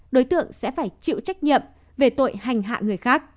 đối tượng sẽ phải chịu trách nhiệm về tội hành hạ người khác